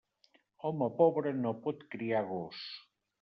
Home pobre no pot criar gos.